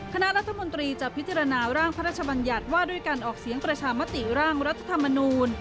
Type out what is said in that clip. คณะรัฐมนตรีจะพิจารณาร่างพระราชบัญญัติว่าด้วยการออกเสียงประชามติร่างรัฐธรรมนูล